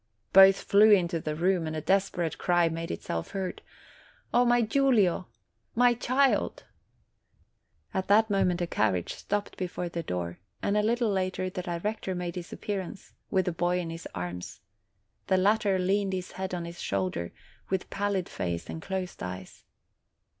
Both flew into the room, and a desperate cry made itself heard : "Oh my Giulio ! My child !" At that moment a carriage stopped before the door, and a little later the director made his appearance, with the boy in his arms; the latter leaned his head on his shoulder, with pallid face and closed eyes.